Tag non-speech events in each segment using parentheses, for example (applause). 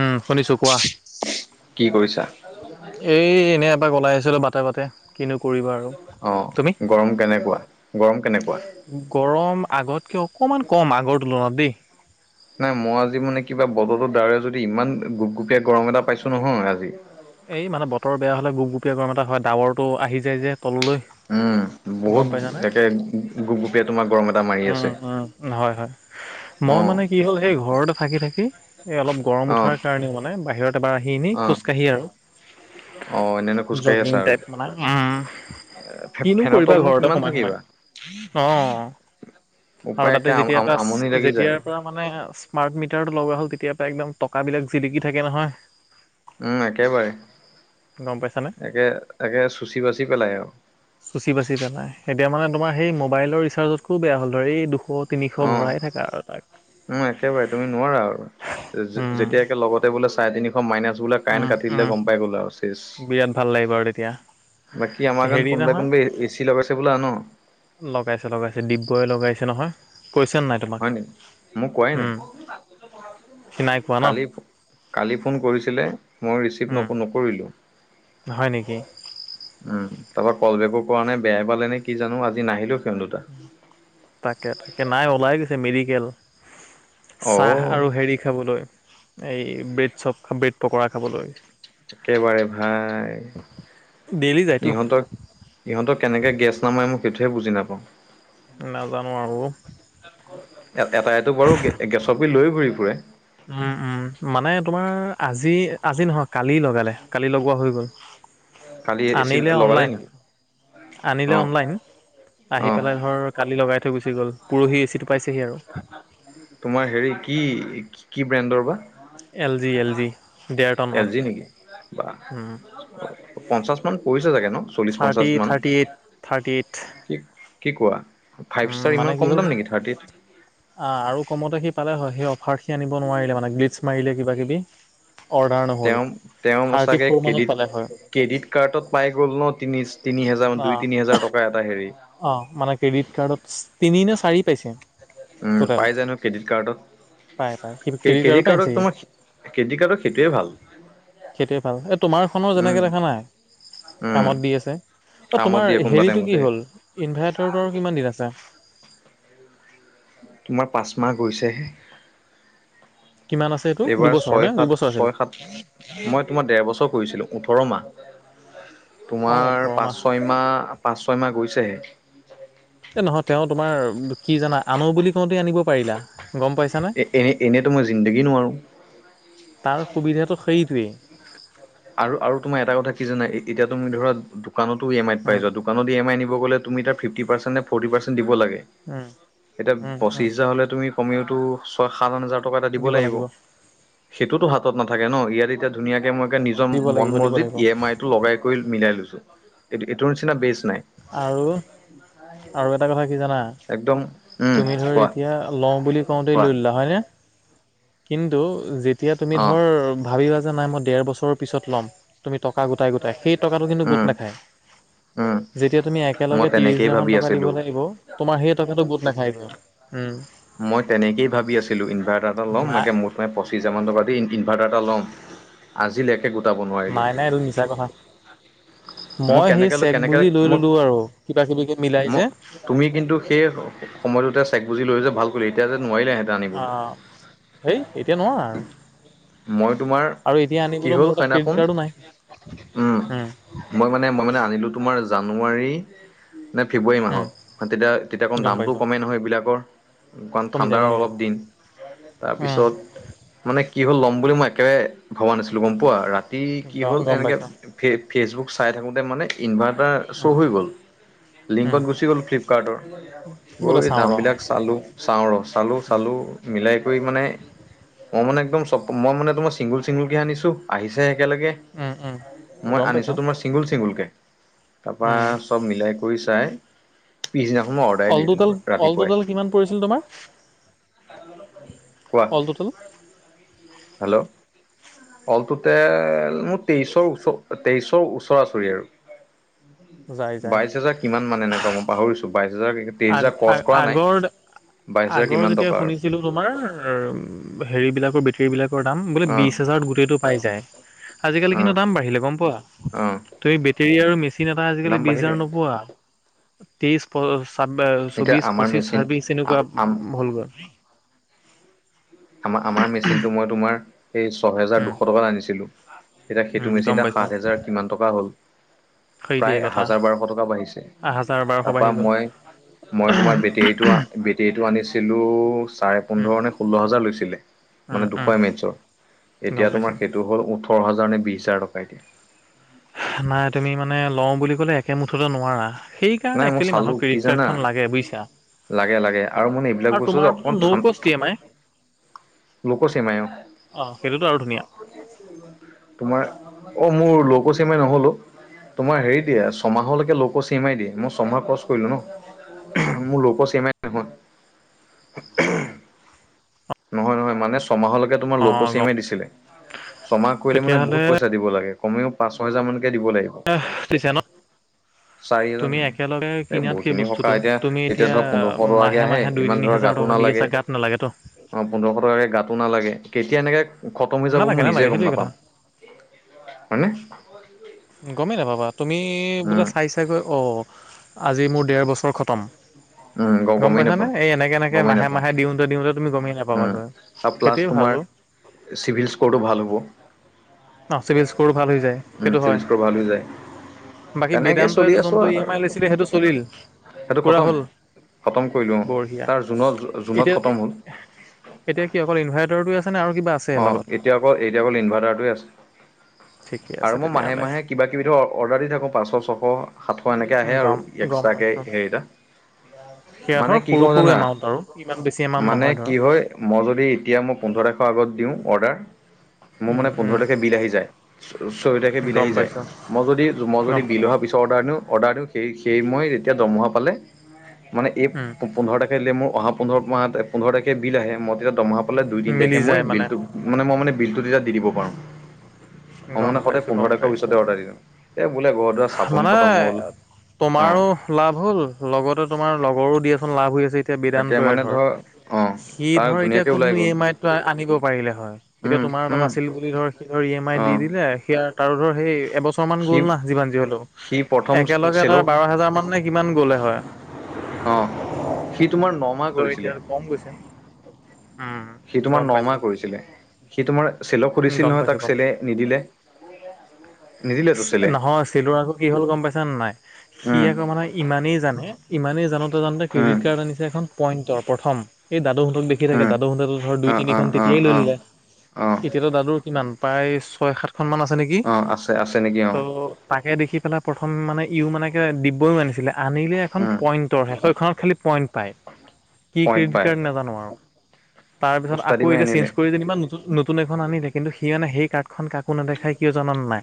উম, শুনিছোঁ কোৱা? কি কৰিছা? এই এনেই এপাক ওলাই আহিছিলোঁ। বাটে-বাটে কিনো কৰিবা আৰু (inaudible) অঁ, তুমি? গৰম কেনেকুৱা, গৰম কেনেকুৱা? গৰম আগতকে অকণমান কম, আগৰ তুলনাত দেই। নাই মই আজি মানে কিবা বতৰটো ডাৱৰীয়া যদি ইমান গুপগুপীয়া গৰম এটা পাইছোঁ নহয় আজি। (inaudible) এই মানে বতৰ বেয়া হ'লে গুপগুপীয়া গৰম এটা হয়। ডাৱৰটো আহি যায় যে তললৈ উম, (unintelligible) বহুত গম পাইছানে? একে গুপগুপীয়া তোমাৰ গৰম এটা মাৰি আছে। উম-উম, হয়-হয়! মই অ', মানে কি হ'ল সেই ঘৰতে থাকি-থাকি এই অলপ গৰম অ', উঠাৰ কাৰণে মানে বাহিৰত এবাৰ আহি এনেই অ', খোজকাঢ়ি আৰু (unintelligible) অ' এনেনো (unintelligible) খোজকাঢ়ি জগিং আছা আৰু। টাইপ মানে উম-উম। কিনো ফেনৰ কৰিবা তলনো ঘৰতে কিমান সোমাই-সোমাই থাকিবা? অঁ (unintelligible) আৰু উপায় তাতে একে যেতিয়াৰ পৰা আমনি (unintelligible) লাগি যায়। যেতিয়াৰ পৰা মানে স্মাৰ্ট মিটাৰটো লগোৱা হ'ল, তেতিয়াৰ পৰা একদম টকাবিলাক জিলিকি থাকে নহয়। (inaudible) উম, একেবাৰে (unintelligible) গম পাইছানে? তাকে-তাকে চুচি বাচি পেলাই আৰু (unintelligible) চুচি বাচি পেলাই। এতিয়া মানে তোমাৰ সেই মোবাইলৰ ৰিচাৰ্জতকৈও বেয়া হ'ল ধৰ এই দুশ তিনিশ উম ভৰাই থাকা আৰু তাক (inaudible) উম একেবাৰে তুমি নোৱাৰা আৰু উম যেতিয়াকে লগত (unintelligible) বোলে চাৰে তিনিশ মাইনাছ বোলে কাৰেণ্ট উম কাটি দিলে উম গম পাই গ'ল আৰু। বিৰাট ভাল লাগিব আৰু তেতিয়া (unintelligible) বাকী আমাৰ গাঁৱৰ হেৰি কোনোবাই-কোনোবাই এ চি লগাইছে বোলা শুনো। লগাইছে-লগাইছে ডিবগই লগাইছে নহয়। (unintelligible) নাই তোমাক হয় নেকি? মোক কোৱাই নাই। উম (unintelligible) সি নাই কোৱা ন কালি-কালি ফোন কৰিছিলে মই ৰিচিভ নকৰো ন উম (unintelligible) কৰিলোঁ (unintelligible) হয় নেকি? উম। তাৰপৰা কল বেকো কৰা নাই বেয়াই পালে নেকি জানো আজি নাহিলোও সিহঁত দুটা। (unintelligible) তাকে-তাকে নাই ওলাই গৈছে মেডিকেল। (inaudible) অ (unintelligible) আহ আৰু হেৰি খাবলৈ এই ব্ৰেড চপ, ব্ৰেড পকৰা খাবলৈ। (inaudible) একেবাৰে ভাই ডেইলি (inaudible) যায়তো ইহঁতক ইহঁতক কেনেকৈ গেছ নমায় মোক সেইটোহে বুজি নাপাওঁ (unintelligible) নাজানো আৰু (unintelligible) এ এটাই এইটো বাৰু গেছৰ পিল লৈ ঘুৰি ফুৰে। (unintelligible) উম-উম মানে তোমাৰ আজি-আজি নহয় কালি লগালে, কালি লগোৱা হৈ গ'ল। (inaudible) (unintelligible) কালি এ চি আনিলে লগালে অনলাইন, নেকি? আনিলে অ অনলাইন (inaudible) আহি অহ পেলাই ধৰ কালি লগাই থৈ গুচি গ'ল। পৰহি এচিটো পাইছেহি আৰু। (inaudible) তোমাৰ হেৰি কি-কি ব্ৰেণ্ডৰ বা? (inaudible) এল জি এল জি ডেৰ (unintelligible) টনৰ এল জি নেকি? বাহ উম, (inaudible) পঞ্চাশ মান পৰিছে চাগে ন, থাৰ্টি চল্লিশ-পঞ্চাশ মান থাৰ্টি এইট থাৰ্টি এইট (inaudible) কি কি কোৱা, ফাইভ উম, ষ্টাৰ মানে ইমান কি কম হ'ল দাম নেকি থাৰ্টিত (unintelligible) (unintelligible) আৰু কমতে সি পালে হয় সেই অফাৰ আনিব নোৱাৰিলে মানে গ্লিটছ মাৰিলে কিবা-কিবি অৰ্ডাৰ নহ'ল (unintelligible) তেওঁৰ মোৰ থাৰ্টি চাগৈ ফ'ৰ মানত কে্ৰডিট পালে হয় (unintelligible) ক্ৰেডিট কাৰ্ডত পাই গ'ল ন, তিনি-তিনি হাজাৰ অঁ দুই-তিনি হাজাৰ টকা এটা হেৰি (unintelligible) অঁ মানে ক্ৰেডিট কাৰ্ডত তিনি নে চাৰি পাইছে (unintelligible) উম টোটেল পাই জানো ক্ৰেডিট কাৰ্ডত পায় পায় সি ক্ৰে কাৰ্ডৰ ক্ৰেডিট পৰা কাৰ্ডক আনিছেহি তোমাৰ ক্ৰেডিট কাৰ্ডক সেইটোৱে ভাল সেইটোৱে ভাল এই তোমাৰখনৰ উম যেনেকে দেখা নাই উম কামত দি আছে অ কামত তোমাৰ দিয়ে কোনোবা হেৰিটো টাইমতে কি হ'ল ইনভাৰ্টাৰটো আৰু কিমান দিন আছে তোমাৰ পাঁচ মাহ গৈছেহে কিমান আছে এইটো এইবাৰ দুবছৰ নে ছয় সাত দুবছৰ আছিল ছয় সাত মই তোমাৰ ঢেৰ বছৰ কৰিছিলো ওঠৰ মাহ অঁ ওঠৰ তোমাৰ মাহ পাঁচ ছয় মাহ পাঁচ ছয় মাহ গৈছেহে এই নহয় তেওঁ তোমাৰ কি জানা আনো বুলি কওঁতে আনিব পাৰিলা গম পাইছানে এ এনেই এনেইতো মই জিন্দগী নোৱাৰো তাৰ সুবিধাটো সেইটোৱেই আৰু আৰু তোমাৰ এটা কথা কি জানা এ এতিয়া তুমি ধৰা দোকানতো ই এম আইত পাই উম যোৱা দোকানত ই এম আইত আনিব গ'লে তুমি তাৰ ফিফট পাৰ্চেণ্ট নে ফৰ্টি পাৰ্চেণ্ট দিব লাগে উম এতিয়া উম পঁচিশ উম হাজাৰ হলে তুমি কমেওতো ছয় সাত হাজাৰ টকা এটা দিব লাগিব সেইটোতো হাতত নাথাকে ন ইয়াত এতিয়া ধুনীয়াকে মই নিজৰ দিব মন লাগিব দিব মজিত লাগিব ই এম আই টো লগাই কৰি মিলাই লৈছো এইটো এইটোৰ নিচিনা বেচ নাই আৰু আৰু এটা কথা কি জানা একদম উম তুমি ধৰ কোৱা এতিয়া লওঁ বুলি কওঁতে কোৱা লৈ ললা হয়নে কিন্তু যেতিয়া তুমি অ', ধৰ ভাবিবা যে নাই মই ঢেৰ বছৰৰ পিছত ল'ম তুমি টকা গোটাই গোটাই সেই টকাটো কিন্তু উম, গোট নাখায় উম, যেতিয়া তুমি মই একেলগে ত্ৰিশ তেনেকেই হাজাৰ ভাবি মান টকা দিব আছিলোঁ। লাগিব তোমাৰ সেই টকাটো গোট নাখায় ধৰ উম মই তেনেকেই ভাবি আছিলো ইনভাৰ্টাৰ এটা ল'ম নাই মাকে ম পঁচিছ হাজাৰমান টকা দি ইন ইনভাৰটাৰ এটা ল'ম আজিলৈক এ গোটাব নোৱা নাই নাই এইটো মিছা কথা মই সেই কেনেকে লৈ চেক কেনেকে বুজি লৈ মোক ললো আৰু কিবা কিবি কি মিলাই মোক যে তুমি কিন্তু সেই সময়টোতে চেক বুজি লৈ যে ভাল কৰিলি এতিয়া যে নোৱাৰিলেহেঁতে অ হেই এতিয়া নোৱাৰা আৰু মই তোমাৰ আৰু এতিয়া কি আনিবলৈ হ'ল মোৰ তাত ক্ৰেডিট সেইদিনাখন কাৰ্ডো নাই উম মই মানে মই মানে আনিলোঁ তোমাৰ জানুৱাৰী নে ফেব্ৰুৱাৰী উম মাহত অ তেতিয়া তেতিয়া অকণ গম পাইছ দামটোও কমেই নহয় এইবিলাকৰ কাৰণ কমি যায় ঠাণ্ডাৰ কমি যায় অলপ দিন তাৰপিছত মানে কি হ'ল ল'ম বুলি মই একে ভবা নাছিলোঁ গম পোৱা ৰাত এ কি উম হ'ল গম এনেকে পাইছ ফে ফেচবুক চাই থাকোতে মানে ইনভাৰ্টাৰ উম শ্ব' হৈ গ'ল উম লিংকত গুচি গ'ল ফ্লিপকাৰ্টৰ বোলে গৈ চাওঁ দাম বিলাক ৰ চালো চাওঁ ৰ চালো চালো মিলাই কৰি মানে মই মানে একদম চব মই মানে তোমাৰ ছিংগুল চিংগুলকে আনিছোঁ আহিছেহে একেলগে উম, উম, মই গম আনিছো পাইছোঁ। তোমাৰ চিংগুল চিংগুলকে তাৰপা উম, চব মিলাই কৰি চাই পিছদিনাখন মই অৰ্ডাৰ অল দি দিলোঁ টুটেল অল ৰাতিপুৱাই টুটেল কিমান পৰিছিল তোমাৰ কোৱা অলটোটেল হেল্ল' অলটোটেল মোৰ তেইছৰ ওচ তেইছৰ ওচৰা ওচৰি আৰু যায় যায়। বাইছ হাজাৰ কিমান মান এনেকুৱা মই পাহৰিছো বাইছ হাজাৰ তেইছ হেজাৰ আ-আগৰ ক্ৰছ কৰা নাই, আগৰ বাইছ হেজাৰ আগৰ কিমান যেতিয়া টকা আৰু। শুনিছিলোঁ তোমাৰ হেৰি বিলাকৰ বেটেৰী বিলাকৰ দাম বোলে অ বিশ হাজাৰত গোটেইটো পাই যায়। আজিকালি অ কিন্তু দাম বাঢ়িলে গম পোৱা? অ তুমি বেটৰী আৰু মেচ। মেচিন এটা আজিকালি দাম বিশ হাৰ বাঢ়িলে নোপোৱা, তেইশ পঁ। এতিয়া চৌবিশ আমাৰ পঁচিশ, মেচিন ছাব্বিশ এনেকুৱা আমাৰ হ'লগৈ'। আমাৰ আমাৰ মেচিনতটো মই তোমাৰ এই ছয়হেজাৰ উম, দুশ টকাত আনিছিলো। এতিয়া উম, সেইটো গম মেচিন সাত পাইছোঁ হেজাৰ কিমান টকা হ'ল। সেইটোৱে প্ৰায় কথা হাজাৰ বাৰশ টকা বাঢ়িছে, হাজাৰ বাৰশ তাৰপৰা বাঢ়ি গ'ল। মই মই তোমাৰ বেটেৰীটো। বেটেৰীতটো আনিছিলো চাৰে উম, পোন্ধৰ নে ষোল্ল হাজাৰ লৈছে। লৈছিলে উম, মানে উম, দুশ এম এছত গম এতিয়া পাইছোঁ। তোমাৰ সেইটো হ'ল ওঠৰ হাজাৰ নে বিশ হাজাৰ টকা এতিয়া। নাই তুমি মানে লওঁ বুলি ক'লে একে মুঠতে নোৱাৰা সেই। নাই সেইকাৰনে মই একচুৱেলি চালো মানুহক কি ক্ৰেডিট জানা কাৰ্ডখন লাগে বুজিছা। লাগে - লাগে আৰু মানে এইবিলাক বস্তু যে তোমাৰতো অকমান ন' ঠান। কষ্ট ই এম আই লোকসীমায়। অ' সেইটোতো আৰু ধুনীয়া। তোমাৰ, অ' মোৰ লৌকোচিমাই নহলো। তোমাৰ হেৰি দে ছমাহলৈকে লোককো চিমাই দিয়ে (unintelligible) মই ছমাহ ক্ৰছ কৰিলো ন মোৰ লোক চেমাই নহয়। (unintelligible) নহয় - নহয় মানে ছয়মাহলৈকে তোমাৰ লোক অ' গম চেমাই দিছিলে ছমাহ কৰিলে মানে তেতিয়াহ'লে বহুত পইচা। দিব লাগে, কমেও পাঁচ ছহেজাৰ মানকে দিব লাগিব। পিছে ন। চাৰি হাজাৰ তুমি একেলগে এই কিনাতক বহুতখিনি সকাহ বস্তুটো এতিয়া তুমি এতিয়া ধৰা পোন্ধৰশ টকাকে মাহে - আহে মাহে দুই ইমান তিনি ধৰা হাজাৰ। গাতো টকা দি আছা নালাগে গাত নালাগে তো। অ' পোন্ধৰশ টকাকে গাতো নালাগে কেতিয়া এনেকে। খতম হৈ যাব নালাগে মই নালাগে নিজে গম সেইটোৱে কথা নাপাম হয়নে? গমেই নাপাবা, তুমি বোলে উম, চাই চাইগৈ অঁ আজি মোৰ ডেৰ বছৰ খটম। উম, গ গম গমেই পাইছানে। নাপাম এই এনেকে -এনেকে গমেই মাহে নাপাম মাহে দিওতে দিওঁতে তুমি গমেই নাপাবা উম, আকৌ আৰু প্লাছ সেইটোৱে ভাল তোমাৰ অ' চিভিল স্ক'ৰটো ভাল হ'ব। চিভিল স্ক'ৰো ভাল হৈ যায়, উম, সেইটো চিভিল হয়। স্ক'ৰ ভাল হৈ যায় বাকী তেনেকে বেদান্তই চলি যে আছোঁ যোনটো ই এম আৰু আই লৈছিলে সেইটো চলিল সেইটো পুৰা খতম হ'ল। খতম কৰিলোঁ বঢ়িয়া তাৰ জুনত জুনত এতিয়া খতম হ'ল। এতিয়া কি অকল ইনভাৰটাৰটো আছে নে আৰু কিবা আছে? অঁ লগত এতিয়া অকল এতিয়া অকল ইনভাৰ্টাৰটোৱে আছে। ঠিকে আছে আৰু মই মাহে - তেতিয়াহ'লে মাহে কিবাকিবি ধৰ অৰ্ডাৰ দি থাকোঁ পাঁচশ ছশ সাতশ এনেকৈ আহে আৰু। গম গম এককস্ৰাকে পাইছোঁ সেৰি এতা। সেয়া ধৰ সৰু - সৰু এমাউণ্ট আৰু ইমান বেছি এমাউণ্ট মানে নহয় কি ধৰ। হয় মই যদি এতিয়া মোক পোন্ধৰ তাৰিখৰ আগত দিওঁ অৰ্ডাৰ। মোৰ মানে উম পোন্ধৰ উম তাৰিখে বিল আহি যায়, ছয় তাৰিখে বিল গম আহি যায় পাইছোঁ মই যদি মই যদি গম বিল পালোঁ হোৱা পিছত। অৰ্ডাৰ দিওঁ অৰ্ডাৰ দিওঁ সেই- সেই মই যেতিয়া দমহা পালে মানে এই। উম পোন্ধৰ তাৰখে অহান্ধৰ মোৰ তাৰিখ বিিল আহ ম তেতিয়া দম পাল দুই তিনি তিখ মিলি মই যায় বিল মানে (unintelligible) মানে মই মানে বিলটো তেতিয়া দি দিব পাৰো, ম গম মানে সদায় পাইছোঁ পোন্ধৰ গম তাৰিখৰ পিছত পাইছোঁ হে অৰ্ডাৰ দিওঁ। এই বোলে ঘৰ দুৱাৰ চাবোন মানে খতম হ'ল তোমাৰো অঁ। লাভ হ'ল লগতে তোমাৰ লগৰো দিয়াচোন লাভ হৈ আছে এতিয়া তাকে বেদান্তৰে মানে ধৰ। অঁ সি তাৰ ধৰ এতিয়া ধুনীয়াকৈ ওলাই কোনো ই গ'ল এম আইতটো আনিব পাৰিলে হয়। এতিয়া উম তোমাৰ তাত উম আছিল বুলি ধৰ সি ধৰ ই এম আই দি অঁ দিলে সেয়া তাৰো ধৰ সেই এবছৰ মান সি গ'ল না যিমান যি সি প্ৰথম একেলগে তাৰ চেলক বাৰ হোজাৰ মান নে কিমান গলে হয়? অ সি তোমাৰ ন মাহ ত' এতিয়া কৰিছিলে। কম গৈছে। উম, সি তোমাৰ গম ন পাইছো, মাহ কৰিছিলে। সি তোমাৰ চেলক সুধিছিল গম নহয় পাইছো, তাক গম চেলে নিদিলে। নিদিলে তো চেলে। চেলৰ আকৌ কি হ'ল গম পাইছা নে নাই? সি উম আকৌ মানে ইমানেই জানে ইমানেই জানত ত (inaudible) উম ক্ৰেডিট কাৰ্ড আনিছে এখন পইণ্টৰ প্ৰথম, এই দাদু হঁতক দেখি থাকে উম দাদু হহঁতে ধৰ দুই অ অ তিনিখন তি অ এই লৈ অ ললে অ এতিয়াতো দাদুৰ কিমান প্ৰায় ছয় সাত খনমান আছে নেকি? অ আছে আছে নেকি অ ত' তাকে দেখি পেলাই প্ৰথম মানে ইও মানে কেলে দিব্যইও আনিছিলে, আনিলে এখন উম পইণ্টৰ হে এইখনত খালি পইণ্ট পায় কি পইণ্ট ক্ৰেডিট পায় কাৰ্ড নাজানো আৰু। তাৰপিছত আকৌ উস্তাদিমে এতিয়া চেঞ্জ আনিলে কৰি যেনিবা নতুন নতুন এখন আনিলে, কিন্তু সি অনা সেই কাৰ্ডখন কাকো নেদেখাই কিয় জান নে নাই?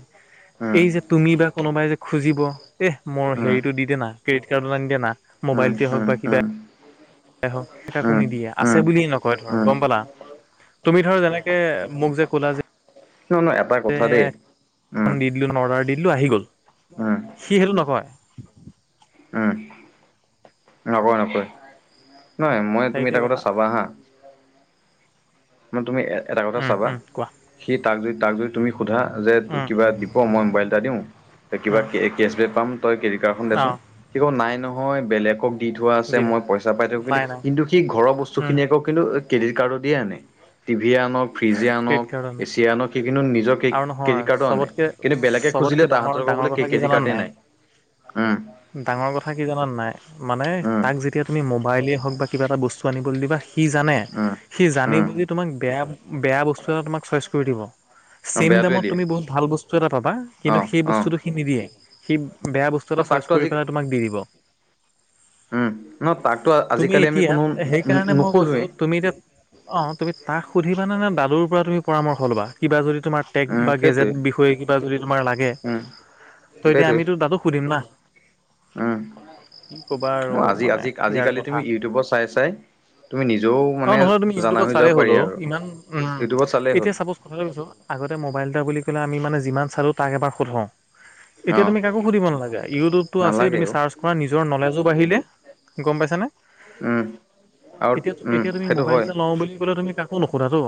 উম এই যে তুমি বা কোনোবাই যে খুজিব এহ মোৰ উম হেৰিটো দি দে না, ক্ৰেডিট কাৰ্ডত আনি দে না, উম মোবাইলটোৱে হওক উম বা কিবাই। উম হওক ফেকো উম নিদিয়ে আছে উম বুলিয়ে নকয় ধৰ, উম গম পালা? তুমি ধৰ যেনেকে মোক যে কোলা যে (unintelligible) এ দেই উম (inaudible) দি দিলো অৰ্ডাৰ দি দিলোঁ আহি গ'ল, উম সি সেইটো নকয়। উম নকয় নকয়, নহয় মই তুমি এটা কথা চাবা হা তুমি এটা কথা উম চাবা উম কোৱা সেই তাক জুই তাক জুই তুমি সোধা যে উম কিবা দিব্য মই মোবাইল এটা দিওঁ কিবা উম কে কেচবেক পাম তই ক্ৰেডিট কাৰ্ডখন দেচোন অ', সি কব নাই নহয় বেলেগক দি থোৱা আছে দি দে মই পইচা পাই থাকো কিন্তু নাই নাই কিন্তু সি ঘৰৰ বস্তু উম, খিনি আকৌ কিন্তু ক্ৰেডিট কাৰ্ডৰ দিয়ে আনে, টিভি আনক, ফ্ৰীজে ক্ৰেডিট আনক, কাৰ্ডৰ নাই এচি আনক সি কিন্তু নিজৰ কে আৰু নহয় ক্ৰেডিট কাৰ্ডৰ আনে, চবতকে কিন্তু বেলেগে চবতকে খুজিলে ডাঙৰ তাহাতৰ আক ডাঙৰ বোলে কথা কি ক্ৰেডিট জানা কাৰ্ডেই নাই। উম ডাঙৰ কথা কি জানা নে নাই? মানে উম তাক যেতিয়া তুমি মোবাইলেই হওক বা কিবা এটা বস্তু আনিবলে দিবা সি জানে উম সি জানি উম বুজি তোমাক বেয়া বেয়া বস্তু এটা তোমাক চইচ কৰি দিব। অ চেইম বেয়াটোৱে দামত দিয়ে তুমি বহুত ভাল বস্তু এটা পাবা, অ কিন্তু সেই অ বস্তুটো সি নিদিয়ে সি বেয়া বস্তু চইচ তাকতো কৰি আজি পেলাই তোমাক দি দিব। উম, ন তাকতো তুমি আজিকালি আমি এতিয়া, কোনো ন- সেইকাৰণে মই কৈছো নুসুধোৱে। তুমি এতিয়া অ তুমি তাক সুধিবানে না দাদুৰ পৰা তুমি পৰামৰ্শ ল'বা? কিবা যদি তোমাৰ টেক উম, বা সেইটোৱে গেজেট বিষয়ে কিবা যদি তোমাৰ লাগে উম, ত এতিয়া সেইটোৱে আমিতো দাদুক সুধিম না! উম, কি ক'বা অ আৰু আজি মানে আজি ইয়াৰ আজিকালি কথা তুমি ইউটিউবত চাই চাই তুমি নিজেও অ মানে নহ'লে তুমি জানা ইউটিউবত হৈ যাব চালেই হ'ল পাৰি অ আৰু, ইমান উম ইউটিউবত চালেই হ'ল। এতিয়া চাপ'জ কথাটো কৈছোঁ, আগতে মোবাইল এটা বুলি ক'লে আমি মানে যিমান চালো তাক এবাৰ সোধোঁ এতিয়া অ' তুমি কাকো সুধিব নালাগে, ইউটিউবটো আছেই নালাগে তুমি অ'। চাৰ্চ আপোনাৰ নিজৰ নলেজো বাঢ়িলে গম পাইছানে? উম, আৰু এতিয়া উম, এতিয়া তুমি সেইটো মোবাইল হয় এটা লওঁ বুলি ক'লে তুমি কাক কো নোসোধাতো,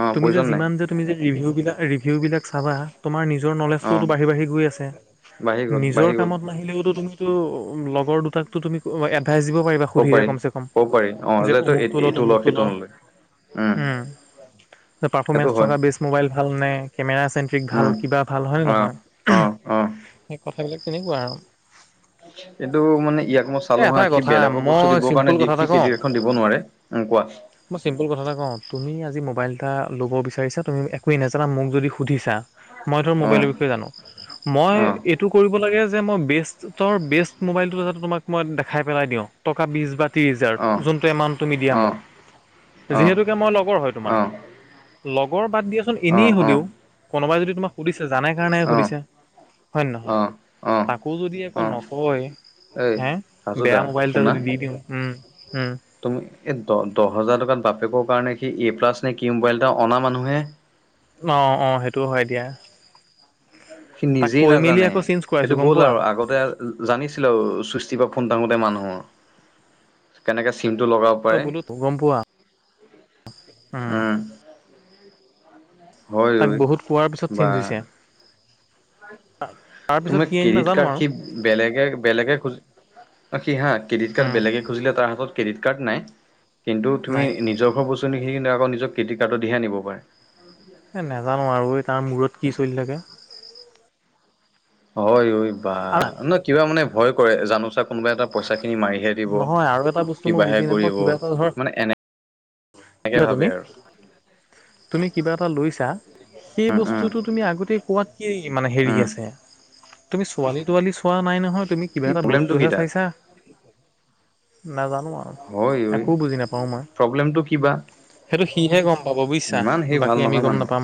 অ' তুমি যে প্ৰয়োজন নাই যিমান যে তুমি যে ৰিভিউ বিলাক ৰিভিউ বিলাক চাবা তোমাৰ নিজৰ অ'। নলেজটোওতো বাঢ়ি বাঢ়ি গৈ আছে, বাঢ়ি গ'ল নিজৰ বাঢ়ি গ'ল কামত নাহিলেও টো তুমি তু লগৰ দুটাকতো তুমি এডভাইচ দিব পাৰিবা। ক'ব সুধিলে পাৰি কমচে কম ক'ব পাৰি অ' যে এইটো অমুক তু ল এইটো তমুক তু ল সেইটো নলয়। উম। না সেইটো পাৰফমেঞ্চ হয় থকা বেচ ম'বাইল ভাল নে কেমেৰা চেন্ট্ৰিক ভাল উম, কিবা ভাল হয়নে অ', নহয়, অ', অ'। সেই কথাবিলাক তেনেকুৱা আও কিন্তু মানে ইয়াক মই এ চালো হা এটা সি কথা বেলেগৰ বস্তু মই দিবৰ চিম্পুল কাৰণে দি কথা এটা কওঁ (unintelligible) এখন দিব নোৱাৰে। উম কোৱা! মই চিম্পল কথা এটা কও তুমি আজি ম'বাইল এটা ল'ব বিচাৰ ভাবিছা তুমি একোৱেই নাজান মোক যদি সুধিছা। মই ধৰ অ মোবাইলৰ বিষয়ে জানো। মই অ এইটো কৰিব লাগে যে মই বেষ্ট তৰ বেষ্ট মোবাইলটো যাতে তোমাক মই দেখাই পেলাই দিওঁ টকা বিছ বা ত্ৰিছ অ হাজাৰত। যোনটো এমাউণ্ট তুমি দিয়া অ মোক অ যিহেতুকে মই লগৰ হয় তোমাৰ। অ লগৰ বাদ দিয়াচোন অ অ এনেই হ'লেও কোনোবাই যদি তোমাক সুধিছে জানাই কাৰণেহে সুধিছে। হয় অ নহয় অ অ তাকো যদি অ একো নকয় এই হে বেয়া হাজোদা মোবাইল এটা শুনা যদি দি দিও, উম-উম তুমি এই দ দহ হেজাৰ টকাত বাপেকৰ কাৰণে সি এ প্লাছ নে কি মোবাইল এটা অনা মানুহে। অৱ অৱ সেইটো হয় দিয়া। সি তাক নিজেই কৈ মেলি নাজানে আকৌ চেঞ্জ কৰাইছো সেইটো গম গ'ল পোৱা আৰু আগতে জানিছিলো চুষ্টিৰ পৰা ফোন থঙোতে মানুহৰ। কেনেকে চিম টো লগাব অ পাৰে বোলো তো গম পোৱা? উম হয় তাক ঐ বহুত কোৱাৰ পিছত বা চেঞ্জ হৈছে। তাৰপিছত তুমি কি আহিল ক্ৰেডিট নাজানো আৰু কাৰ্ড সি বেলেগে-বেলেগে খুজি অ সি হা ক্ৰেডিট কাৰ্ড উম বেলেগে খুজিলে তাৰ হাতত ক্ৰেডিট কাৰ্ড নাই কিন্তু তুমি নাই নিজৰ ঘৰৰ বস্তু বস্তখিনি কি আকৌ নিজৰ ক্ৰেডিট কাৰ্ডৰ দি হে আনিব পাৰে। এই নাজানো আৰু এই তাৰ মূৰত কি চলি থাকে? হয় ঐ বা আৰা নহয় কিবা মানে ভয় কৰে জানোচা কোনোবাই তাৰ পইচা খিনি মাৰিহে দিব নহয় আৰু এটা বস্তু মই কিবাহে বুজি নাপাওঁ কৰিব কিবা এটা ধৰ মানে এনে, কিবা এনেকে তুমি ভাবে আৰু তুমি কিবা এটা লৈছা সেই উম উম বস্তুটোত তুমি আগতে কোৱাত কি মানে হেৰি উম আছে তুমি ছোৱালী তোৱালি চোৱা নাই নহয় তুমি কিবা কি এটা প্ৰব্লেমটো কি বস্তুহে তাত চাইছা। নাজানো আও, হয় ঐ একো বুজি নাপাওঁ মই। প্ৰব্লেমটো কিবা সেইটো সিহে গম পাব বুইছা ইমান সেই ভাল বাকী আমি নহয় গম মানুহ নাপাম।